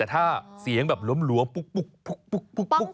แต่ถ้าเสียงแบบหลวมปุ๊บ